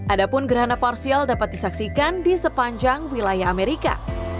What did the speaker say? adapun gerhana parsial dapat disaksikan di sepanjang wilayah amerika